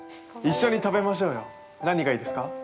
一緒に食べましょうよ何がいいですか？